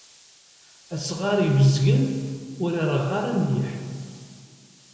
Asɣar ibezgen ur ireɣɣ ara mliḥ.